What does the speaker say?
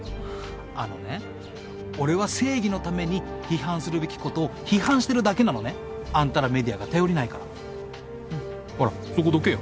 あのね俺は正義のために批判するべきことを批判してるだけなのね。あんたらメディアが頼りないから。